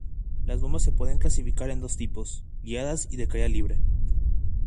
Las bombas se pueden clasificar en dos tipos: guiadas y de caída libre.